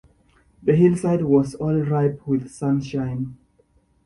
The hillside was all ripe with sunshine.